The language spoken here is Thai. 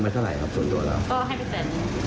ไม่ได้กดดันครับมีการไปโทรงหนี้อะไรไหมครับ